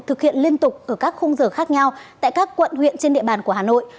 thực hiện liên tục ở các khung giờ khác nhau tại các quận huyện trên địa bàn của hà nội